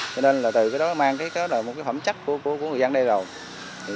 cho nên là từ cái đó mang cái phẩm chất của người dân đây rồi